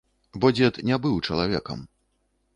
Бо дзед не быў чалавекам.